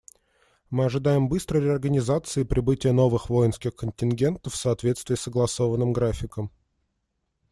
Мы ожидаем быстрой реорганизации и прибытия новых воинских контингентов в соответствии с согласованным графиком.